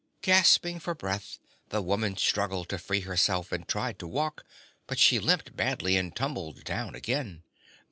Gasping for breath the woman struggled to free herself and tried to walk, but she limped badly and tumbled down again.